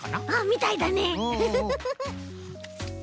みたいだね。